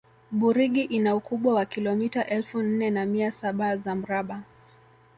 burigi ina ukubwa wa kilomita elfu nne na mia saba za mraba